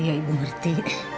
iya ibu ngerti